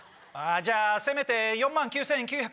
じゃあせめて４万９９８０円！